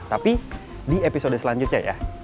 tapi di episode selanjutnya ya